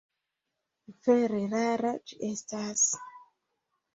Vere rara ĝi estas.